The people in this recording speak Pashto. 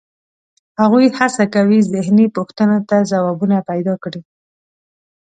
هغوی هڅه کوي ذهني پوښتنو ته ځوابونه پیدا کړي.